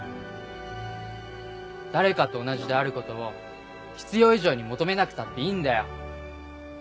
誰かと同じであることを必要以上に求めなくたっていいんだよ。